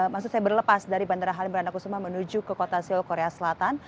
maksud saya berlepas dari bandara halim perdana kusuma menuju ke kota seoul korea selatan